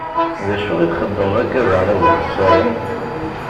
D acu i txedmeḍ akka daɣen, a bu txeṣṣarin?